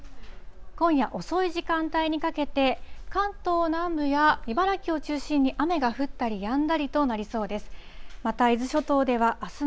今夜遅い時間帯にかけて、関東南部や茨城を中心に、雨が降ったりやんだりとなりそうです。